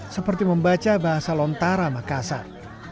seperti membaca bahasa lontara makassar